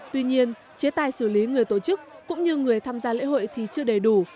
tuy nhiên chế tài xử lý người tổ chức cũng như người tham gia lễ hội thì chưa đầy đủ